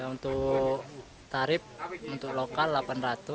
untuk tarif untuk lokal rp delapan ratus